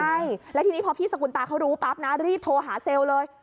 ใช่แล้วทีนี้พอพี่สกุลตาเขารู้ปั๊บนะรีบโทรหาเซลล์เลย